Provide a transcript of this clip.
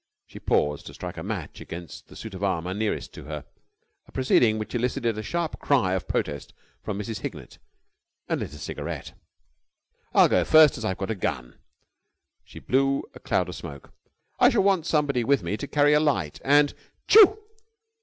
She paused to strike a match against the suit of armour nearest to her, a proceeding which elicited a sharp cry of protest from Mrs. Hignett, and lit a cigarette. "I'll go first, as I've got a gun...." She blew a cloud of smoke. "I shall want somebody with me to carry a light, and...." "Tchoo!"